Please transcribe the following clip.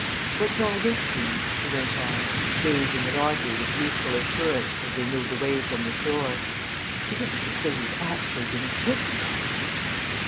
What's all this been?" he went on, gazing at Audrey with youthful assurance as they moved away from the shore. "You don't mean to say you've actually been kidnapped?"